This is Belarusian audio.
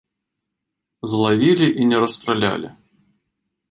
Злавілі і не расстралялі.